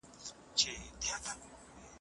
ته همدا اوس له خپلو ملګرو سره مرسته کوې.